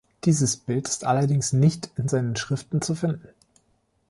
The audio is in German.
Dieses Bild ist allerdings nicht in seinen Schriften zu finden.